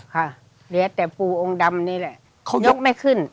ค่ะเหลือแต่ปูองค์ดำนี่แหละเขายกไม่ขึ้น